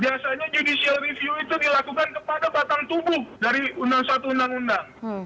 biasanya judicial review itu dilakukan kepada batang tubuh dari undang satu undang undang